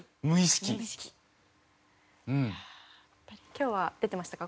今日は出てましたか？